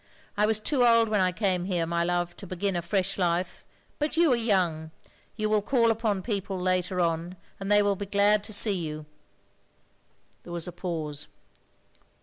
I was too old when I came here, my love, to begin a fresh life — ^but you are young. You will call upon people later on, and they will be glad to see you." There was a pause.